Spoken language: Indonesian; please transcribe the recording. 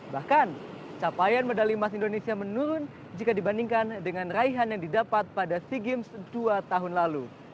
bahkan capaian medali emas indonesia menurun jika dibandingkan dengan raihan yang didapat pada sea games dua tahun lalu